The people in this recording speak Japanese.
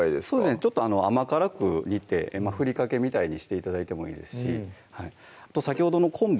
ちょっと甘辛く煮てふりかけみたいにして頂いてもいいですし先ほどの昆布